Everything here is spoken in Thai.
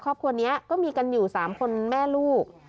ครอบครัวนี้ก็มีกันอยู่๓คนแม่ลูก